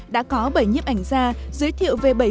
đã có bảy nhếp ảnh gia giới thiệu về bảy phần